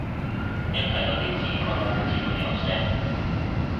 一睇到啲字個腦自動會有聲